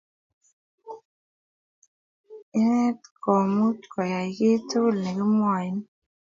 Inet ko much koyan kiy tugul che kimwaini